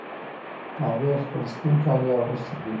هغې خپل سپین کالي اغوستې دي